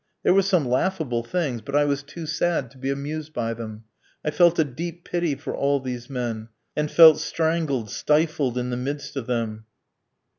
There were some laughable things, but I was too sad to be amused by them. I felt a deep pity for all these men, and felt strangled, stifled, in the midst of them.